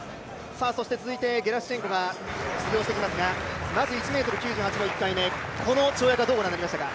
続いてゲラシュチェンコが出場してきますが１ｍ９８の１回目、この跳躍はどうご覧になりましたか？